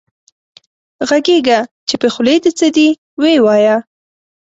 غږېږه چې په خولې دې څه دي وې وايه